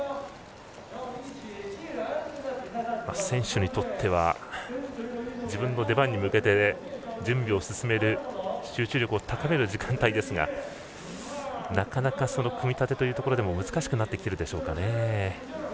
選手にとっては自分の出番に向けて準備を進めて集中力を高める時間帯ですがその組み立てというところでも難しくなってきているでしょうか。